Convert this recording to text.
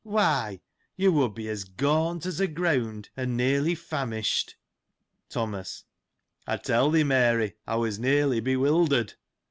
— Why, you would be as gaunt as a greimd,^ and nearly famished. Thomas. — I tell thee, Mary, I was nearly bewildered.